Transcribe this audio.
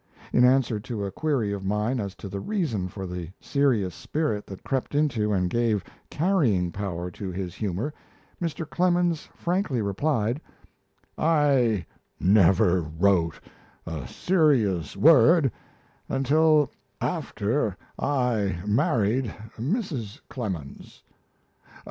In answer to a query of mine as to the reason for the serious spirit that crept into and gave carrying power to his humour, Mr. Clemens frankly replied: "I never wrote a serious word until after I married Mrs. Clemens.